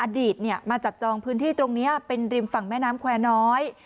มาจับจองพื้นที่ตรงนี้เป็นริมฝั่งแม่น้ำแควร์น้อย